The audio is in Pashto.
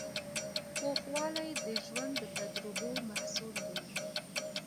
پوخوالی د ژوند د تجربو محصول دی.